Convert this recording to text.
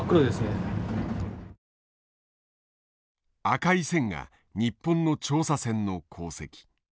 赤い線が日本の調査船の航跡。